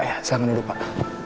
ya selamat tidur pak